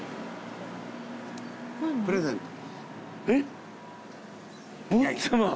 えっ？